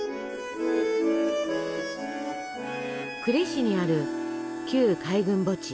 呉市にある旧海軍墓地。